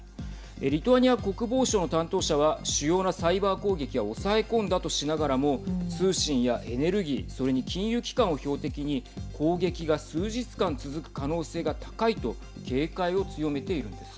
リトアニア国防省の担当者は主要なサイバー攻撃は抑え込んだとしながらも通信やエネルギーそれに金融機関を標的に攻撃が数日間続く可能性が高いと警戒を強めているんです。